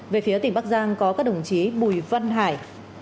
về phía tỉnh bắc giang có các đồng chí bùi văn hải